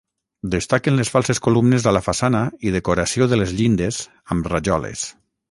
Destaquen les falses columnes a la façana i decoració de les llindes amb rajoles.